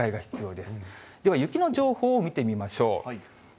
では、雪の情報を見てみましょう。